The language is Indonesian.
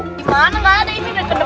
gimana gak ada ini